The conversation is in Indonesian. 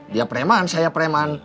dia preman saya preman